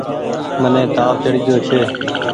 مني تآو چڙگيو ڇي۔